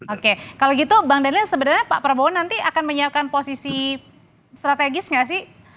oke kalau gitu bang daniel sebenarnya pak prabowo nanti akan menyiapkan posisi strategis nggak sih